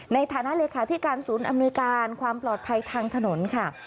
ในฐานะเลขาธิการศูนย์อำนวยการความปลอดภัยทางถนนค่ะ